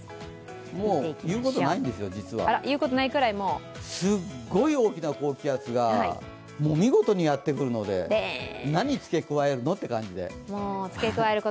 もう言うことないんですよ、実はすっごい大きな高気圧が見事にやってくるので何を付け加えるの？という感じで。